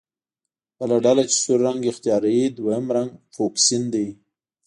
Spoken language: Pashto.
بله ډله چې سور رنګ اختیاروي دویم رنګ فوکسین دی.